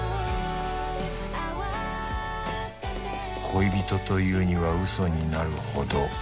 「恋人というには嘘になるほど」